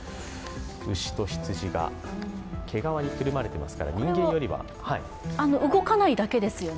牛と羊が、毛皮にくるまれていますから人間よりは動かないだけですよね？